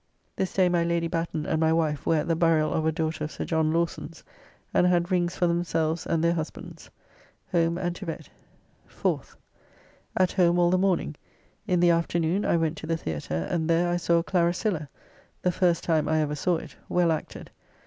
This day my Lady Batten and my wife were at the burial of a daughter of Sir John Lawson's, and had rings for themselves and their husbands. Home and to bed. 4th. At home all the morning; in the afternoon I went to the Theatre, and there I saw "Claracilla" (the first time I ever saw it), well acted.